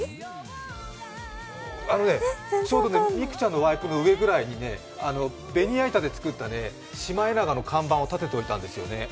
あのね、美空ちゃんのワイプの上ぐらいにね、ベニヤ板で作ったシマエナガの看板を立てておいたんですよね。